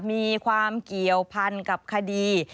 มีความเกี่ยวพันกับคดี